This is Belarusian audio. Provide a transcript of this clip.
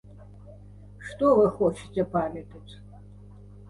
Што вы хочаце памятаць?